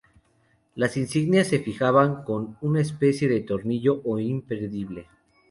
Las insignias se fijaban con una especie de tornillo o imperdible.